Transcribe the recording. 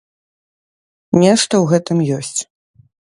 Нешта ў гэтым ёсць.